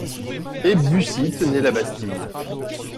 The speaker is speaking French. Et Bussy tenait la Bastille.